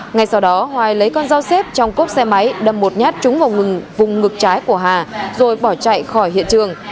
ngay sau đó hoài lấy con dao xếp trong cốp xe máy đâm một nhát trúng vào ngừ vùng ngực trái của hà rồi bỏ chạy khỏi hiện trường